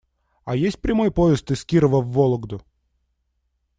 А есть прямой поезд из Кирова в Вологду?